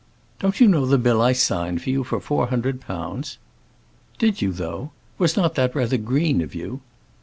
"Don't you know the bill I signed for you for four hundred pounds?" "Did you, though? Was not that rather green of you?"